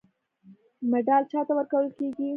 مډال چا ته ورکول کیږي؟